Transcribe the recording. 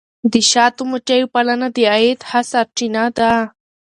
د شاتو مچیو پالنه د عاید ښه سرچینه ده.